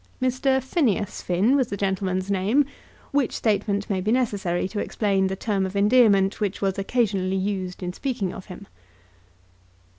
Mr. Phineas Finn was the gentleman's name which statement may be necessary to explain the term of endearment which was occasionally used in speaking of him.